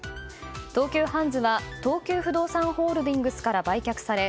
東急ハンズは東急不動産ホールディングスから売却され